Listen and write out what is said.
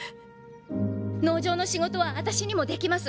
農場の仕事は私にもできます。